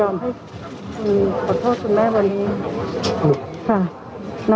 เราก็ถึงนัดจำให้ขอโทษคุณแม่วันนี้ค่ะนะ